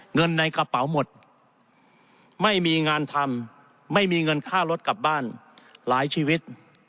เงินในกระเป๋าหมดไม่มีงานทำไม่มีเงินค่ารถกลับบ้านหลายชีวิต